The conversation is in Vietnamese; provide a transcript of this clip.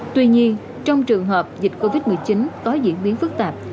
tuy nhiên trong trường hợp dịch covid một mươi chín có diễn biến phức tạp